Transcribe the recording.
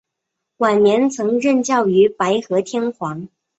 晚年曾任教于白河天皇。